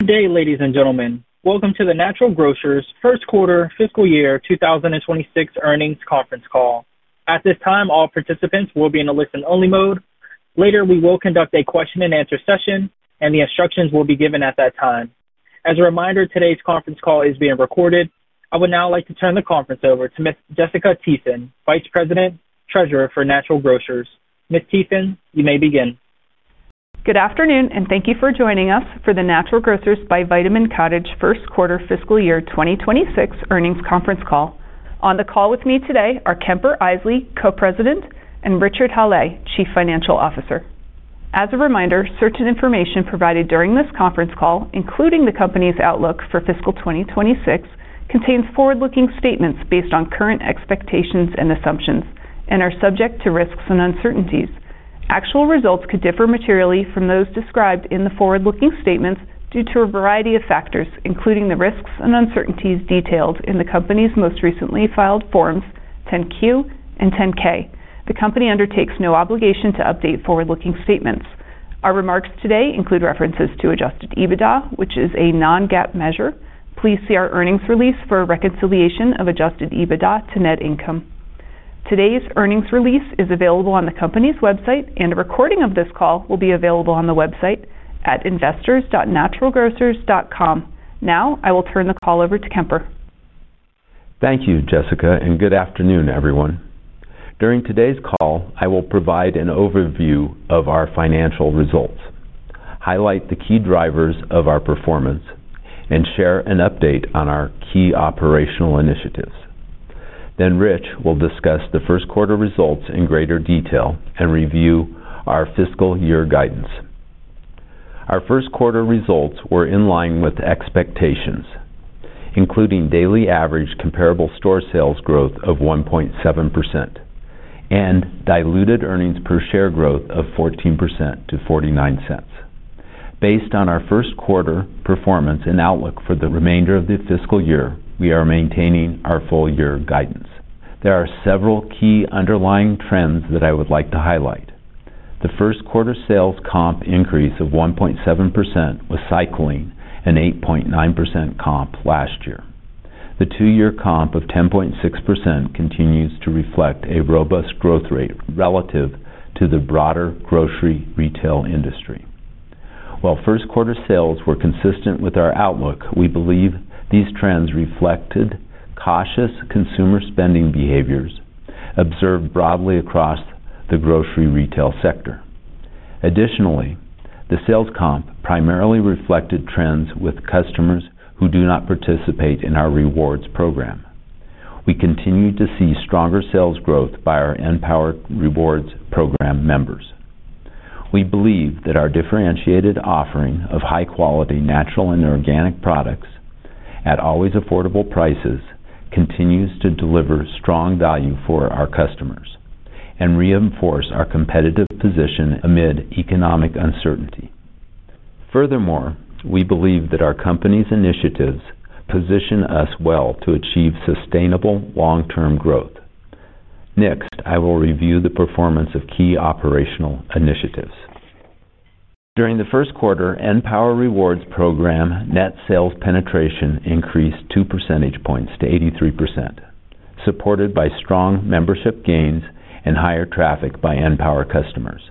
Good day, ladies and gentlemen. Welcome to the Natural Grocers first quarter fiscal year 2026 earnings conference call. At this time, all participants will be in a listen-only mode. Later, we will conduct a question and answer session, and the instructions will be given at that time. As a reminder, today's conference call is being recorded. I would now like to turn the conference over to Miss Jessica Thiessen, Vice President, Treasurer for Natural Grocers. Miss Thiessen, you may begin. Good afternoon, and thank you for joining us for the Natural Grocers by Vitamin Cottage first quarter fiscal year 2026 earnings conference call. On the call with me today are Kemper Isely, Co-President, and Richard Hallé, Chief Financial Officer. As a reminder, certain information provided during this conference call, including the company's outlook for fiscal 2026, contains forward-looking statements based on current expectations and assumptions, and are subject to risks and uncertainties. Actual results could differ materially from those described in the forward-looking statements due to a variety of factors, including the risks and uncertainties detailed in the company's most recently filed Forms 10-Q and 10-K. The company undertakes no obligation to update forward-looking statements. Our remarks today include references to Adjusted EBITDA, which is a non-GAAP measure. Please see our earnings release for a reconciliation of Adjusted EBITDA to net income. Today's earnings release is available on the company's website, and a recording of this call will be available on the website at investors.naturalgrocers.com. Now, I will turn the call over to Kemper. Thank you, Jessica, and good afternoon, everyone. During today's call, I will provide an overview of our financial results, highlight the key drivers of our performance, and share an update on our key operational initiatives. Then Rich will discuss the first quarter results in greater detail and review our fiscal year guidance. Our first quarter results were in line with expectations, including daily average comparable store sales growth of 1.7% and diluted earnings per share growth of 14% to $0.49. Based on our first quarter performance and outlook for the remainder of the fiscal year, we are maintaining our full year guidance. There are several key underlying trends that I would like to highlight. The first quarter sales comp increase of 1.7% was cycling an 8.9% comp last year. The two-year comp of 10.6% continues to reflect a robust growth rate relative to the broader grocery retail industry. While first quarter sales were consistent with our outlook, we believe these trends reflected cautious consumer spending behaviors observed broadly across the grocery retail sector. Additionally, the sales comp primarily reflected trends with customers who do not participate in our rewards program. We continued to see stronger sales growth by our {N}power Rewards program members. We believe that our differentiated offering of high quality, natural and organic products at always affordable prices continues to deliver strong value for our customers and reinforce our competitive position amid economic uncertainty. Furthermore, we believe that our company's initiatives position us well to achieve sustainable long-term growth. Next, I will review the performance of key operational initiatives. During the first quarter, {N}power rewards program net sales penetration increased 2 percentage points to 83%, supported by strong membership gains and higher traffic by {N}power customers.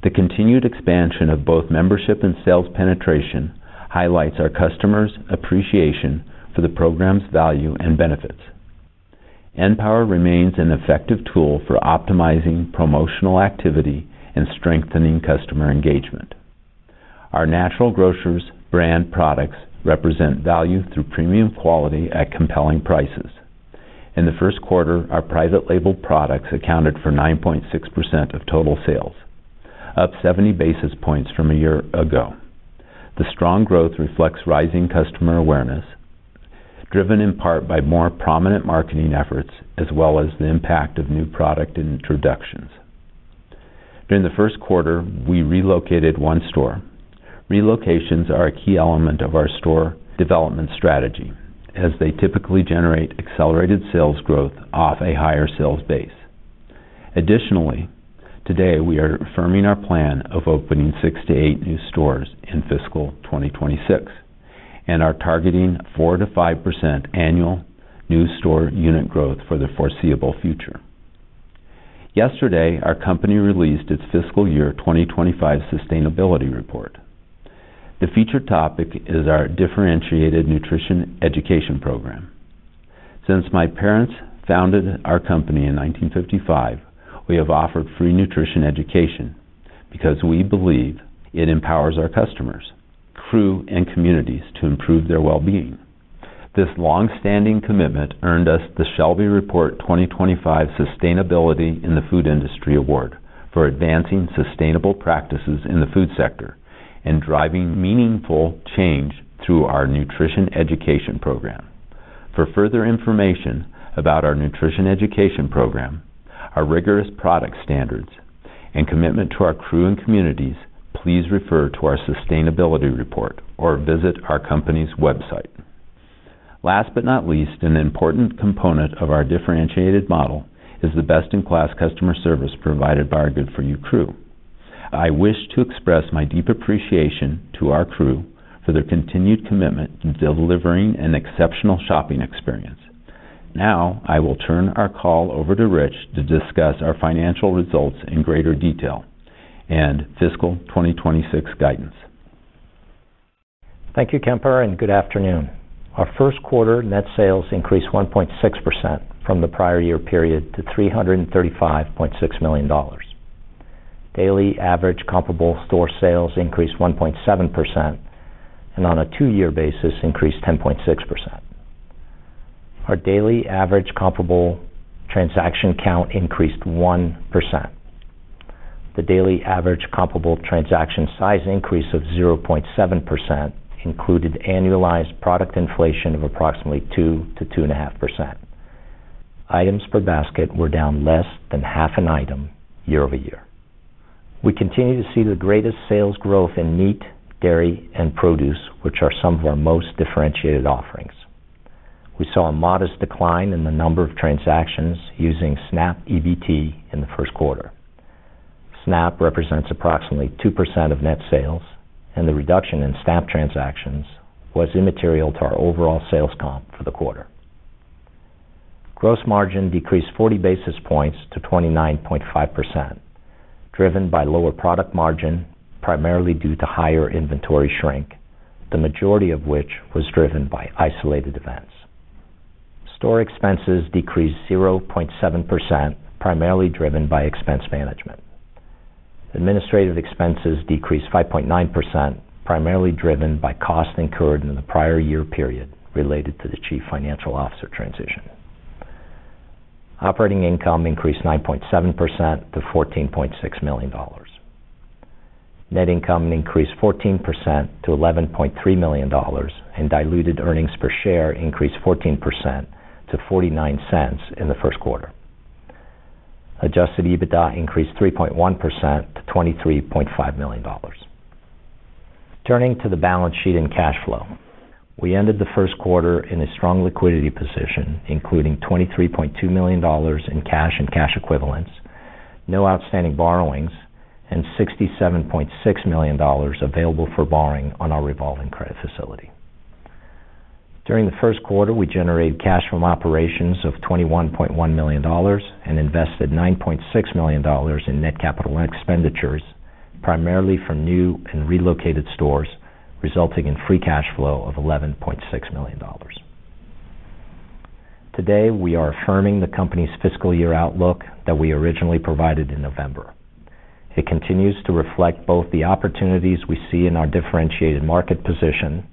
The continued expansion of both membership and sales penetration highlights our customers' appreciation for the program's value and benefits. {N}power remains an effective tool for optimizing promotional activity and strengthening customer engagement. Our Natural Grocers brand products represent value through premium quality at compelling prices. In the first quarter, our private label products accounted for 9.6% of total sales, up 70 basis points from a year ago. The strong growth reflects rising customer awareness, driven in part by more prominent marketing efforts, as well as the impact of new product introductions. During the first quarter, we relocated one store. Relocations are a key element of our store development strategy, as they typically generate accelerated sales growth off a higher sales base. Additionally, today, we are affirming our plan of opening six to eight new stores in fiscal 2026 and are targeting 4%-5% annual new store unit growth for the foreseeable future. Yesterday, our company released its fiscal year 2025 sustainability report. The featured topic is our differentiated nutrition education program. Since my parents founded our company in 1955, we have offered free nutrition education because we believe it empowers our customers, crew, and communities to improve their well-being. This long-standing commitment earned us the Shelby Report 2025 Sustainability in the Food Industry Award for advancing sustainable practices in the food sector and driving meaningful change through our nutrition education program. For further information about our nutrition education program, our rigorous product standards, and commitment to our crew and communities, please refer to our sustainability report or visit our company's website. Last but not least, an important component of our differentiated model is the best-in-class customer service provided by our good4u crew. I wish to express my deep appreciation to our crew for their continued commitment in delivering an exceptional shopping experience. Now, I will turn our call over to Rich to discuss our financial results in greater detail and fiscal 2026 guidance. Thank you, Kemper, and good afternoon. Our first quarter net sales increased 1.6% from the prior year period to $335.6 million. Daily average comparable store sales increased 1.7%, and on a two-year basis, increased 10.6%. Our daily average comparable transaction count increased 1%. The daily average comparable transaction size increase of 0.7% included annualized product inflation of approximately 2%-2.5%. Items per basket were down less than half an item year-over-year. We continue to see the greatest sales growth in meat, dairy, and produce, which are some of our most differentiated offerings. We saw a modest decline in the number of transactions using SNAP EBT in the first quarter. SNAP represents approximately 2% of net sales, and the reduction in SNAP transactions was immaterial to our overall sales comp for the quarter. Gross margin decreased 40 basis points to 29.5%, driven by lower product margin, primarily due to higher inventory shrink, the majority of which was driven by isolated events. Store expenses decreased 0.7%, primarily driven by expense management. Administrative expenses decreased 5.9%, primarily driven by costs incurred in the prior year period related to the Chief Financial Officer transition. Operating income increased 9.7% to $14.6 million. Net income increased 14% to $11.3 million, and diluted earnings per share increased 14% to $0.49 in the first quarter. Adjusted EBITDA increased 3.1% to $23.5 million. Turning to the balance sheet and cash flow, we ended the first quarter in a strong liquidity position, including $23.2 million in cash and cash equivalents, no outstanding borrowings, and $67.6 million available for borrowing on our revolving credit facility. During the first quarter, we generated cash from operations of $21.1 million and invested $9.6 million in net capital expenditures, primarily from new and relocated stores, resulting in free cash flow of $11.6 million. Today, we are affirming the company's fiscal year outlook that we originally provided in November. It continues to reflect both the opportunities we see in our differentiated market position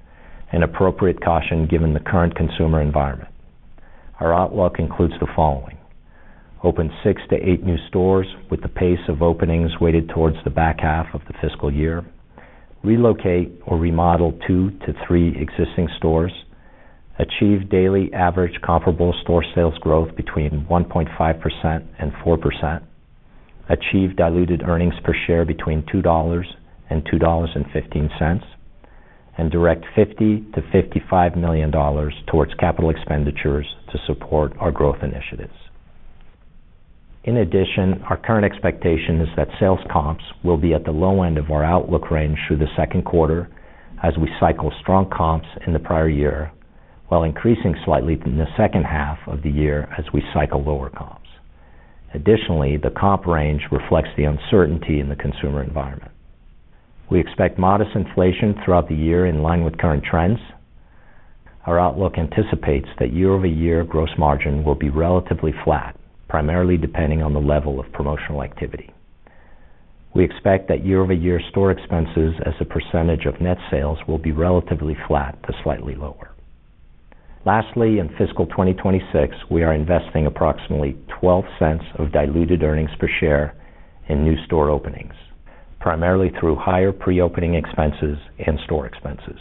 and appropriate caution given the current consumer environment. Our outlook includes the following: Open six to eight new stores, with the pace of openings weighted towards the back half of the fiscal year, relocate or remodel two to three existing stores, achieve daily average comparable store sales growth between 1.5% and 4%, achieve diluted earnings per share between $2 and $2.15, and direct $50 million-$55 million towards capital expenditures to support our growth initiatives. In addition, our current expectation is that sales comps will be at the low end of our outlook range through the second quarter as we cycle strong comps in the prior year, while increasing slightly in the second half of the year as we cycle lower comps. Additionally, the comp range reflects the uncertainty in the consumer environment. We expect modest inflation throughout the year in line with current trends. Our outlook anticipates that year-over-year gross margin will be relatively flat, primarily depending on the level of promotional activity. We expect that year-over-year store expenses as a percentage of net sales will be relatively flat to slightly lower. Lastly, in fiscal 2026, we are investing approximately $0.12 of diluted earnings per share in new store openings, primarily through higher preopening expenses and store expenses.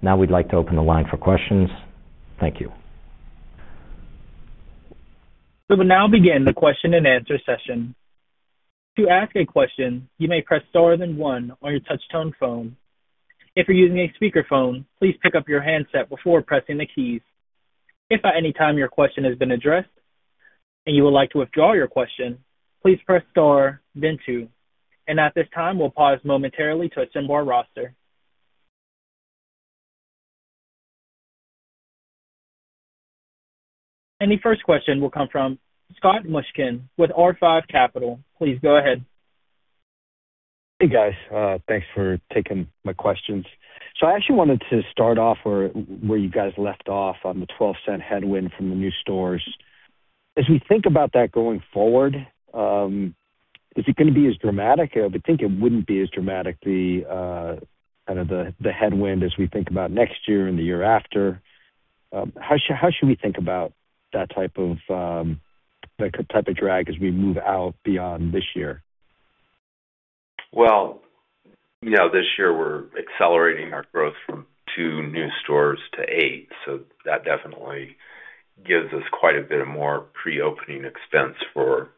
Now we'd like to open the line for questions. Thank you. We will now begin the question-and-answer session. To ask a question, you may press star then one on your touchtone phone. If you're using a speakerphone, please pick up your handset before pressing the keys. If at any time your question has been addressed and you would like to withdraw your question, please press star then two. At this time, we'll pause momentarily to assemble our roster. The first question will come from Scott Mushkin with R5 Capital. Please go ahead. Hey, guys. Thanks for taking my questions. So I actually wanted to start off where you guys left off on the $0.12 headwind from the new stores. As we think about that going forward, is it going to be as dramatic? I would think it wouldn't be as dramatic, the kind of headwind as we think about next year and the year after. How should we think about that type of drag as we move out beyond this year? Well, you know, this year we're accelerating our growth from two new stores to eight, so that definitely gives us quite a bit of more preopening expense for,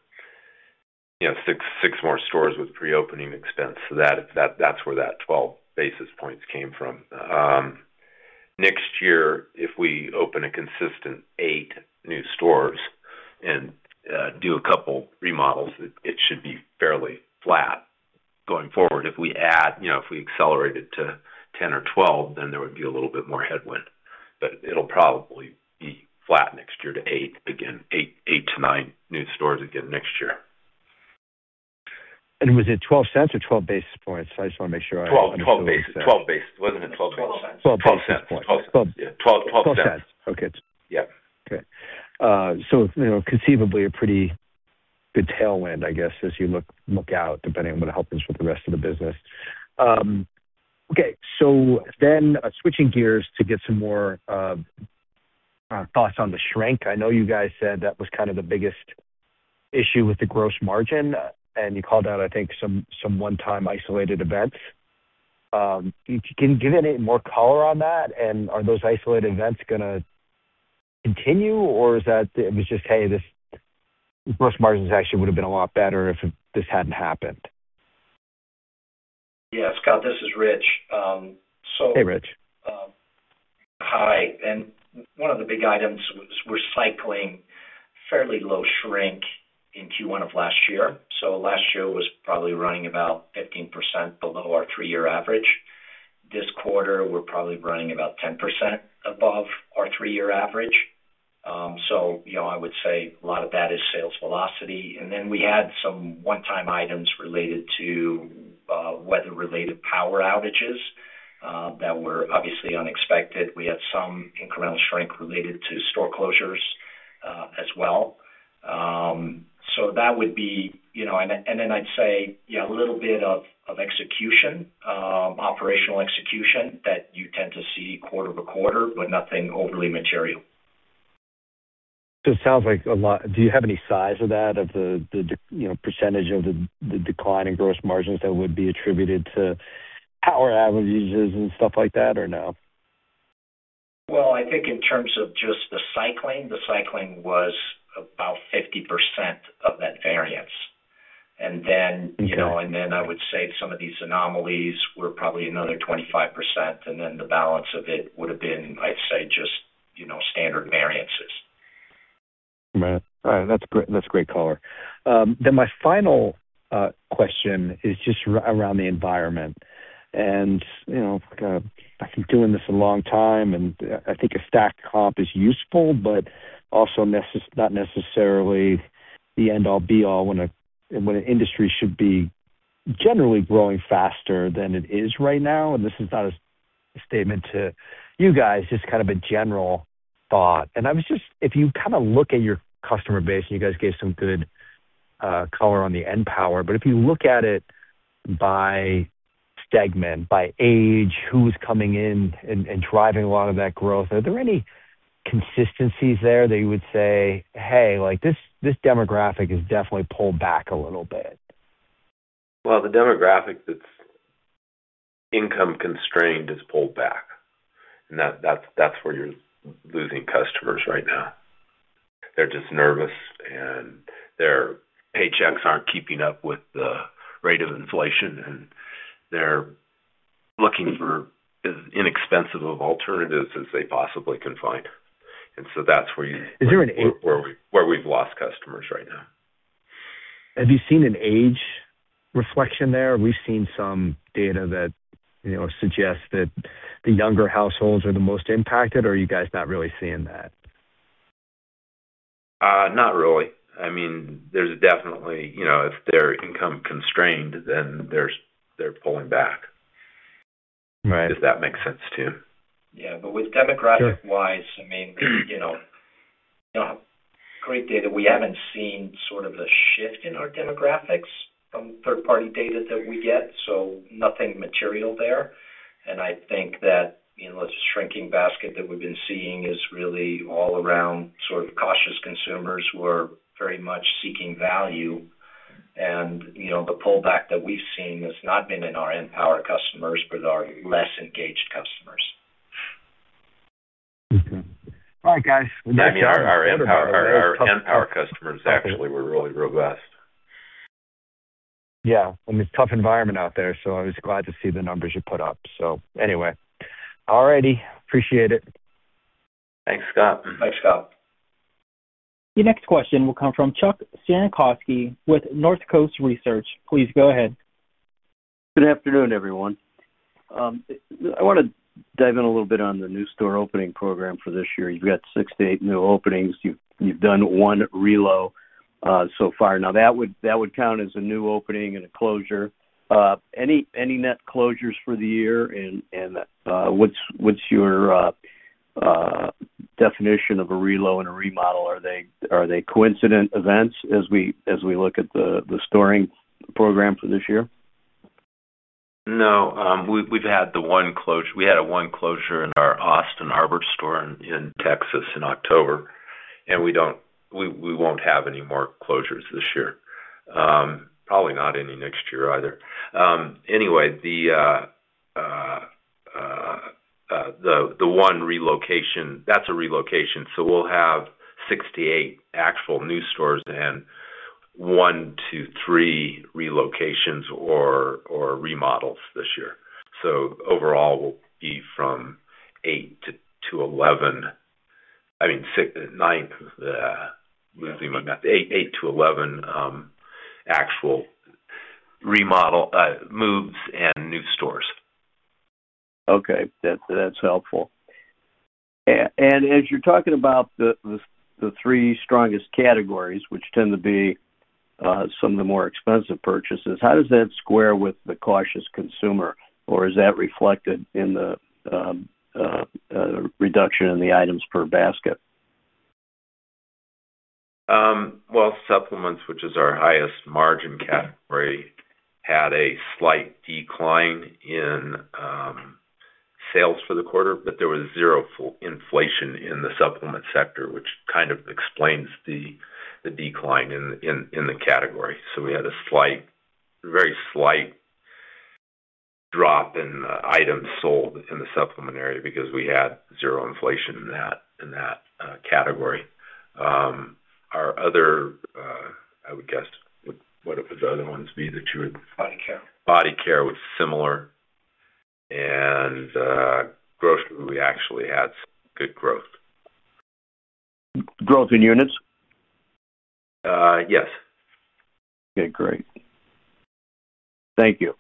you know, six, six more stores with pre-opening expense. So that's where that 12 basis points came from. Next year, if we open a consistent eight new stores and do a couple remodels, it should be fairly flat going forward. If we add, you know, if we accelerate it to 10 or 12, then there would be a little bit more headwind, but it'll probably be flat next year to eight again, eight to nine new stores again next year. Was it $0.12 cents or 12 basis points? I just wanna make sure I- 12, 12 basis. 12 base. Wasn't it 12 base? $0.12. $0.12. $0.12, $0.12. $0.12. Okay. Yep. Okay. So, you know, conceivably a pretty good tailwind, I guess, as you look, look out, depending on what happens with the rest of the business. Okay, so then switching gears to get some more thoughts on the shrink. I know you guys said that was kind of the biggest issue with the gross margin, and you called out, I think, some, some one-time isolated events. Can you give any more color on that? And are those isolated events gonna continue, or is that it was just, "Hey, this-- gross margins actually would have been a lot better if this hadn't happened? Yeah, Scott, this is Rich, so- Hey, Rich. Hi. One of the big items was we're cycling fairly low shrink in Q1 of last year, so last year was probably running about 15% below our three-year average. This quarter, we're probably running about 10% above our three-year average. So, you know, I would say a lot of that is sales velocity. And then we had some one-time items related to, weather-related power outages, that were obviously unexpected. We had some incremental shrink related to store closures, as well. So that would be... You know, and, and then I'd say, yeah, a little bit of, of execution, operational execution that you tend to see quarter-over-quarter, but nothing overly material. So it sounds like a lot. Do you have any size of that, of the you know percentage of the decline in gross margins that would be attributed to power outages and stuff like that, or no? Well, I think in terms of just the cycling, the cycling was about 50% of that variance. Okay. And then, you know, and then I would say some of these anomalies were probably another 25%, and then the balance of it would have been, I'd say, just, you know, standard variances. All right. That's great, that's great color. Then my final question is just around the environment. And, you know, I've been doing this a long time, and I think a stacked comp is useful, but also not necessarily the end-all be-all when an industry should be generally growing faster than it is right now. And this is not a statement to you guys, just kind of a general thought. And if you kind of look at your customer base, and you guys gave some good color on the {N}power, but if you look at it by segment, by age, who's coming in and driving a lot of that growth, are there any consistencies there that you would say, "Hey, like this demographic has definitely pulled back a little bit? Well, the demographic that's income-constrained has pulled back, and that's where you're losing customers right now. They're just nervous, and their paychecks aren't keeping up with the rate of inflation, and they're looking for as inexpensive of alternatives as they possibly can find. And so that's where you- Is there an- -where we've lost customers right now. Have you seen an age reflection there? We've seen some data that, you know, suggests that the younger households are the most impacted, or are you guys not really seeing that? Not really. I mean, there's definitely... You know, if they're income-constrained, then there's, they're pulling back. Right. If that makes sense, too. Yeah, but with demographic- Sure. -wise, I mean, you know, great data. We haven't seen sort of a shift in our demographics from third-party data that we get, so nothing material there. And I think that, you know, the shrinking basket that we've been seeing is really all around sort of cautious consumers who are very much seeking value. And, you know, the pullback that we've seen has not been in our {N}power customers, but our less engaged customers. Mm-hmm. All right, guys- I mean, our, our {N}power, our {N}power customers actually were really robust. Yeah, I mean, it's a tough environment out there, so I was glad to see the numbers you put up. So anyway, alrighty. Appreciate it. Thanks, Scott. Thanks, Scott. Your next question will come from Chuck Cerankosky with Northcoast Research. Please go ahead. Good afternoon, everyone. I wanna dive in a little bit on the new store opening program for this year. You've got six to eight new openings. You've done one relocation so far. Now, that would count as a new opening and a closure. Any net closures for the year, and what's your definition of a relocation and a remodel? Are they coincident events as we look at the store program for this year? No, we've, we've had the one closure. We had one closure in our Austin – Arbor Walk store in Texas in October, and we don't, we won't have any more closures this year. Probably not any next year either. Anyway, the one relocation, that's a relocation. So we'll have 68 actual new stores and one to three relocations or, or remodels this year. So overall, we'll be from eight to 11. I mean, six, nine, losing my math. Eight to 11 actual remodel moves and new stores. Okay, that's helpful. And as you're talking about the three strongest categories, which tend to be some of the more expensive purchases, how does that square with the cautious consumer? Or is that reflected in the reduction in the items per basket? Well, supplements, which is our highest margin category, had a slight decline in sales for the quarter, but there was zero inflation in the supplement sector, which kind of explains the decline in the category. So we had a slight, very slight drop in the items sold in the supplement area because we had zero inflation in that category. Our other, I would guess, what would the other ones be that you would body care. Body care was similar, and grocery, we actually had good growth. Growth in units? Uh, yes. Okay, great. Thank you.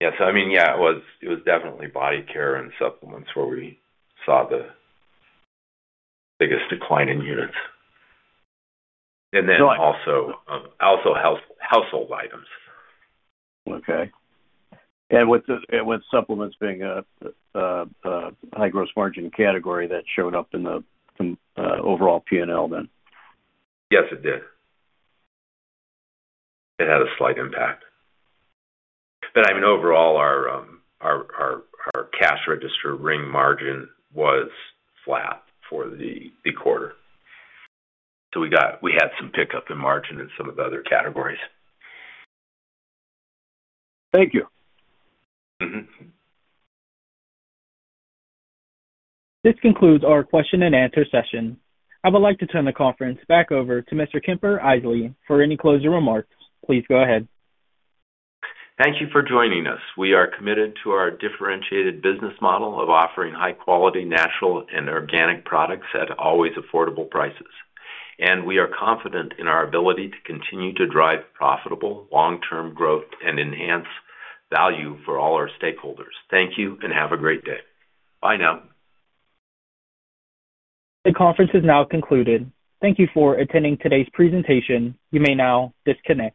Yes, I mean, yeah, it was definitely body care and supplements where we saw the biggest decline in units. And then also health and household items. Okay. And with supplements being a high gross margin category, that showed up in the overall PNL then? Yes, it did. It had a slight impact. But I mean, overall, our cash register ring margin was flat for the quarter. So we had some pickup in margin in some of the other categories. Thank you. Mm-hmm. This concludes our question and answer session. I would like to turn the conference back over to Mr. Kemper Isely for any closing remarks. Please go ahead. Thank you for joining us. We are committed to our differentiated business model of offering high quality, natural and organic products at always affordable prices. We are confident in our ability to continue to drive profitable long-term growth and enhance value for all our stakeholders. Thank you and have a great day. Bye now. The conference is now concluded. Thank you for attending today's presentation. You may now disconnect.